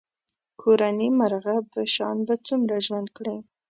کورني مرغه په شان به څومره ژوند کړې.